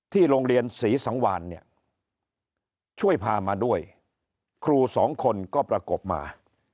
โรงเรียนศรีสังวานเนี่ยช่วยพามาด้วยครูสองคนก็ประกบมา